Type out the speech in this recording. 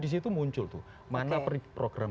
disitu muncul tuh mana program